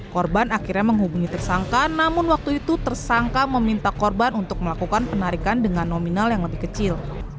korban akhirnya menghubungi tersangka namun waktu itu tersangka meminta korban untuk melakukan penarikan dengan nominal yang lebih kecil